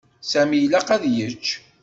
Sami ilaq ad yečč.